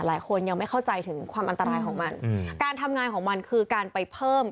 หลายคนยังไม่เข้าใจถึงความอันตรายของมันการทำงานของมันคือการไปเพิ่ม